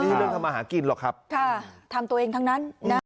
เรื่องทำมาหากินหรอกครับค่ะทำตัวเองทั้งนั้นนะ